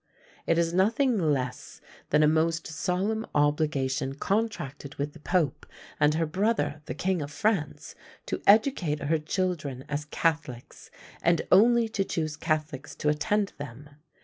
It is nothing less than a most solemn obligation contracted with the Pope and her brother the King of France, to educate her children as Catholics, and only to choose Catholics to attend them.